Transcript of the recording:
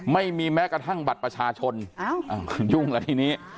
ไม่มีแม้กระทั่งบัตรประชาชนยุ่งแล้วทีนี้